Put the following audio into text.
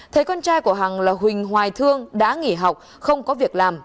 thấy con trai của hằng là huỳnh hoài thương đã nghỉ học không có việc làm